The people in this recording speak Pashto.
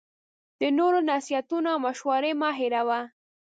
د نورو نصیحتونه او مشوری مه هیروه